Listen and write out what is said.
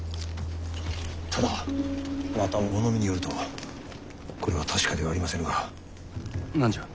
殿また物見によるとこれは確かではありませぬが。何じゃ？